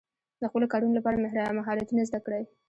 د خپلو کارونو لپاره مهارتونه زده کړئ.